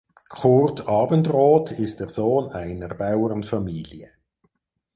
Kurt Abendroth ist der Sohn einer Bauernfamilie.